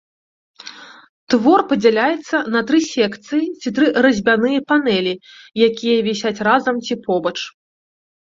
Твор падзяляецца на тры секцыі ці тры разьбяныя панэлі, якія вісяць разам ці побач.